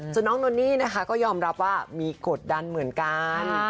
ส่วนน้องนนนี่นะคะก็ยอมรับว่ามีกดดันเหมือนกัน